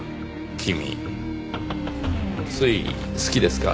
君推理好きですか？